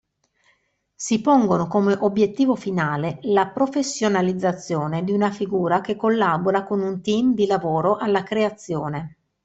Si pongono come obiettivo finale la professionalizzazione di una figura che collabora con un team di lavoro alla creazione.